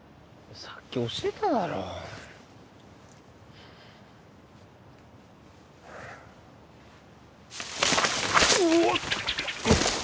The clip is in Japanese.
さっき教えただろうおっと！